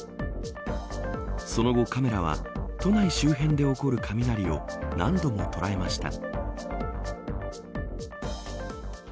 その後、カメラは都内周辺で起こる雷を何度も捉えました。